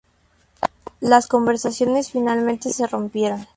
Las conversaciones finalmente se rompieron.